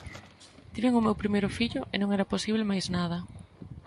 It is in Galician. Tiven o meu primeiro fillo e non era posíbel máis nada.